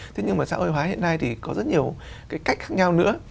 thế nhưng mà xã hội hóa hiện nay thì có rất nhiều cái cách khác nhau nữa